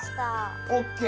ＯＫ。